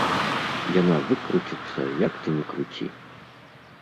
Яна выкруціцца, як ты ні круці.